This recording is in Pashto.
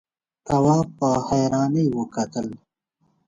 تواب په حيرانۍ وکتل.